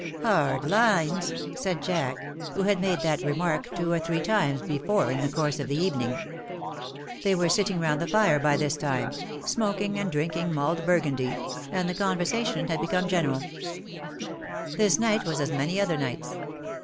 ^' *^Hard lines,^^ said Jack, who had made that remark two or three times before in the course of the evening. They were sitting round the fire by this time — smoking and drinking mulled Burgundy, and the conversation had become general. AU COUP DU PELERIN V 137 This night was as many other nights.